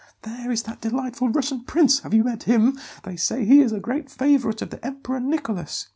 there is that delightful Russian prince! Have you met him? They say he is a great favourite of the Emperor Nicholas.